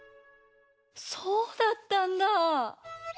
そうだったんだぁ。